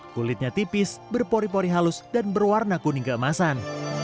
kulitnya tipis berpori pori halus dan berwarna kuning keemasan